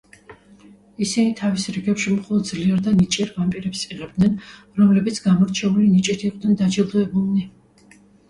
ისინი თავის რიგებში მხოლოდ ძლიერ და ნიჭიერ ვამპირებს იღებდნენ, რომლებიც გამორჩეული ნიჭით იყვნენ დაჯილდოებულნი.